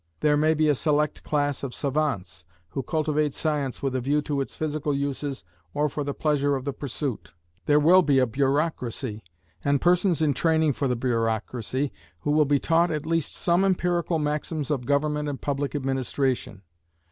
There may be a select class of savants who cultivate science with a view to its physical uses or for the pleasure of the pursuit. There will be a bureaucracy, and persons in training for the bureaucracy, who will be taught at least some empirical maxims of government and public administration.